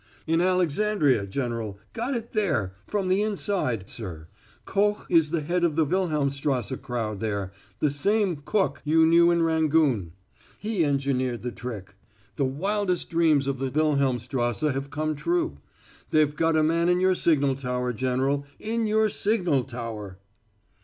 "In Alexandria, General got it there from the inside, sir. Koch is the head of the Wilhelmstrasse crowd there the same Cook you knew in Rangoon; he engineered the trick. The wildest dreams of the Wilhelmstrasse have come true. They've got a man in your signal tower, General in your signal tower!"